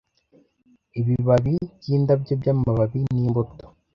ibibabi byindabyo byamababi n'imbuto